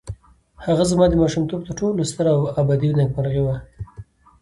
هغه زما د ماشومتوب تر ټولو ستره او ابدي نېکمرغي وه.